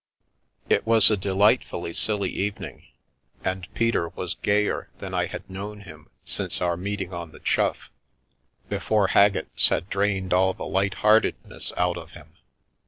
It was a delightfully silly evening, and Peter was gayer than I had known him since our meeting on the Chough, before Haggett's had drained all the light heartedness out of him.